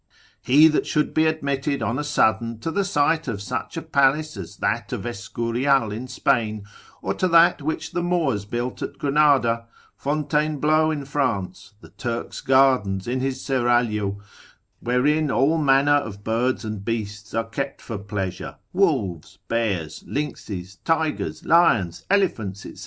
He that should be admitted on a sudden to the sight of such a palace as that of Escurial in Spain, or to that which the Moors built at Granada, Fontainebleau in France, the Turk's gardens in his seraglio, wherein all manner of birds and beasts are kept for pleasure; wolves, bears, lynxes, tigers, lions, elephants, &c.